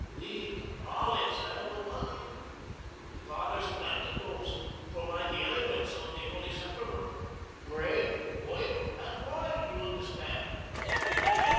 Wheat, olives, and the vine; the Fathers planted those, to provide the elements of the Holy Sacrament bread, oil, and wine, you understand.